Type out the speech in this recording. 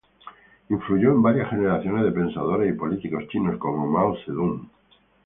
Influyó en varias generaciones de pensadores y políticos chinos, como Mao Zedong.